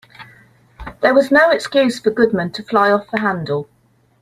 There was no excuse for Goodman to fly off the handle.